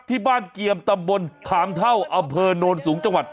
ที่บ้านเกียรตบลขามเท่าอเภิร์โนรสูงจังหวัด